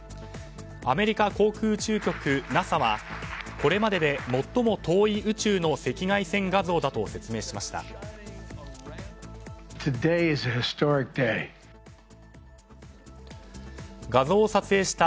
アメリカ航空宇宙局・ＮＡＳＡはこれまでで最も遠い宇宙の赤外線画像だと説明しました。